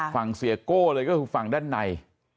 ฝั่งเสียโก้เลยก็คือฝั่งด้านใน